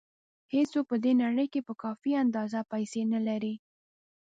هېڅوک په دې نړۍ کې په کافي اندازه پیسې نه لري.